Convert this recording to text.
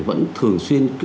vẫn thường xuyên